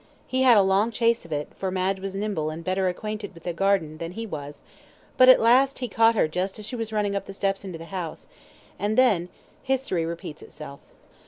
He had a long chase of it, for Madge was nimble and better acquainted with the garden than he was but at last he caught her just as she was running up the steps into the house, and then history repeats itself.